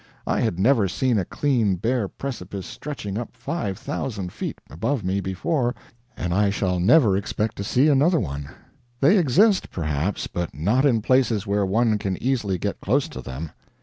I had never seen a clean, bare precipice stretching up five thousand feet above me before, and I never shall expect to see another one. They exist, perhaps, but not in places where one can easily get close to them.